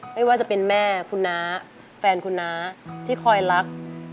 ไม่ว่าจะเป็นแม่คุณน้าแฟนคุณน้าที่คอยรัก